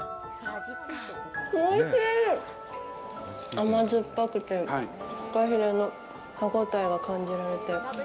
甘酸っぱくてふかひれの歯ごたえが感じられて。